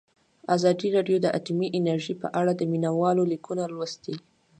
ازادي راډیو د اټومي انرژي په اړه د مینه والو لیکونه لوستي.